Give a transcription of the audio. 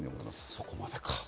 そこまでか。